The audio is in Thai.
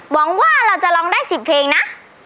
หวังว่าเราจะร้องได้๑๐เพลงนะ